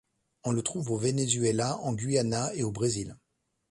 On le trouve au Venezuela, en Guyana et au Brésil.